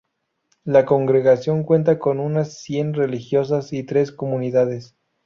La congregación cuenta con unas cien religiosas y tres comunidades.